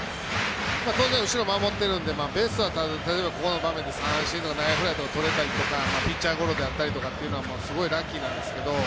当然、後ろ守ってるのでベストは例えば、この場面で三振とか内野ゴロとかとれたりとかピッチャーゴロであったりとかはすごいラッキーなんですけど。